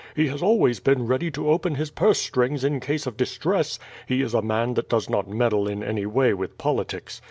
He has always been ready to open his purse strings in case of distress; he is a man that does not meddle in any way with politics.